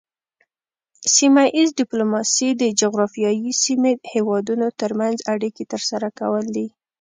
سیمه ایز ډیپلوماسي د جغرافیایي سیمې هیوادونو ترمنځ اړیکې ترسره کول دي